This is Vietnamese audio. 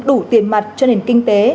đủ tiền mặt cho nền kinh tế